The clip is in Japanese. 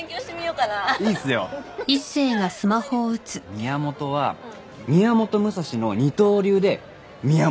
宮本は宮本武蔵の二刀流で「宮本」。